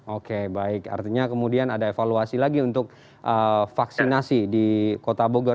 oke baik artinya kemudian ada evaluasi lagi untuk vaksinasi di kota bogor